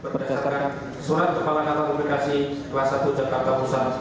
berdasarkan surat kepala kantor imigrasi kelas satu jakarta pusat